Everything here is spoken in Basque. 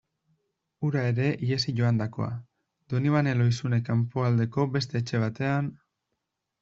Hura ere ihesi joandakoa, Donibane Lohizune kanpoaldeko beste etxe batean...